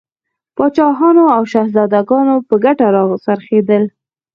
پاچاهانو او شهزادګانو په ګټه را څرخېدل.